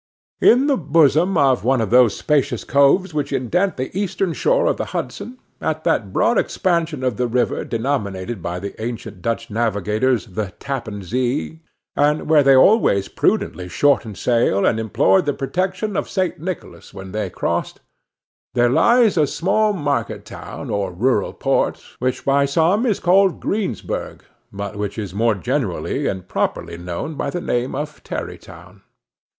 In the bosom of one of those spacious coves which indent the eastern shore of the Hudson, at that broad expansion of the river denominated by the ancient Dutch navigators the Tappan Zee, and where they always prudently shortened sail and implored the protection of St. Nicholas when they crossed, there lies a small market town or rural port, which by some is called Greensburgh, but which is more generally and properly known by the name of Tarry Town.